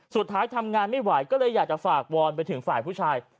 สุดท้ายทำงานไม่ไหวก็เลยอยากจะฝากวอนไปถึงฝ่ายผู้ชาย